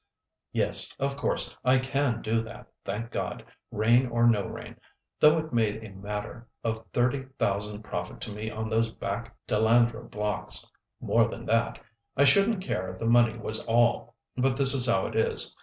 "Yes, of course, I can do that, thank God! rain or no rain, though it made a matter of thirty thousand profit to me on those back Dillandra blocks—more than that. I shouldn't care if the money was all; but this is how it is.